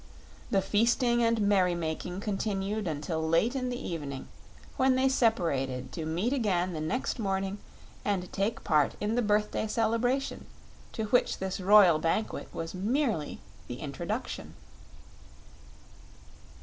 The feasting and merrymaking continued until late in the evening, when they separated to meet again the next morning and take part in the birthday celebration, to which this royal banquet was merely the introduction.